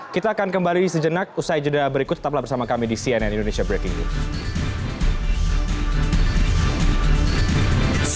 kita akan kembali sejenak usai jeda berikut tetaplah bersama kami di cnn indonesia breaking news